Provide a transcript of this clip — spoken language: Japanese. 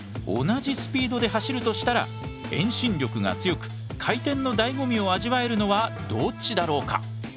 同じスピードで走るとしたら遠心力が強く回転のだいご味を味わえるのはどっちだろうか。